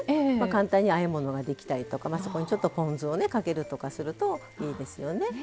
簡単にあえ物ができたりとかそこにちょっとポン酢をねかけるとかするといいですよね。